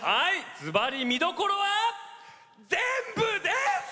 ずばり見どころは全部です。